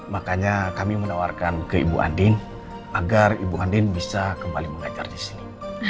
makanya kami menawarkan ke ibu andin agar ibu hadin bisa kembali mengajar di sini